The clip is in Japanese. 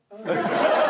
ハハハハ！